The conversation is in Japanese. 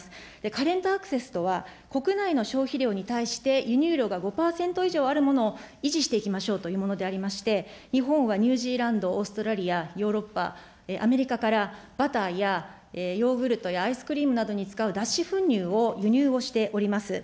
カレントアクセスとは、国内の消費量に対して、輸入量が５％以上あるものを維持していきましょうというものでありまして、日本はニュージーランド、オーストラリア、ヨーロッパ、アメリカから、バターやヨーグルトやアイスクリームなどに使う脱脂粉乳を輸入をしております。